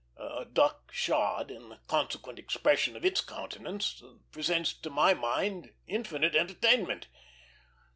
A duck shod, and the consequent expression of its countenance, presents to my mind infinite entertainment.